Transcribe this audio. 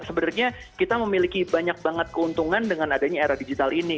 sebenarnya kita memiliki banyak banget keuntungan dengan adanya era digital ini